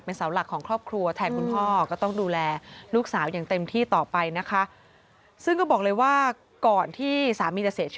เสาหลักของครอบครัวแทนคุณพ่อก็ต้องดูแลลูกสาวอย่างเต็มที่ต่อไปนะคะ